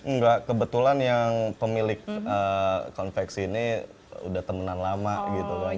enggak kebetulan yang pemilik konveksi ini udah temenan lama gitu kan